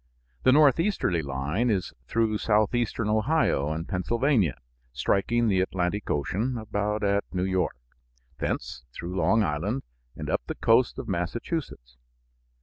The northeasterly line is through southeastern Ohio and Pennsylvania, striking the Atlantic Ocean about at New York, thence through Long Island and up the coast of Massachusetts.